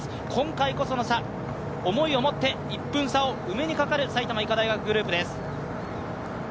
今回こその差、思いを持って、１分差を埋めにかかる埼玉医科大学グループです。